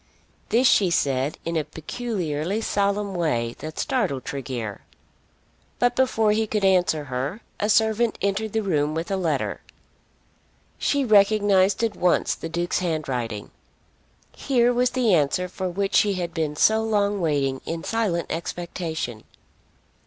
This she said in a peculiarly solemn way that startled Tregear. But before he could answer her a servant entered the room with a letter. She recognised at once the Duke's handwriting. Here was the answer for which she had been so long waiting in silent expectation!